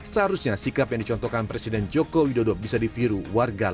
seharusnya sikap yang dicontohkan presiden joko widodo bisa ditiru warga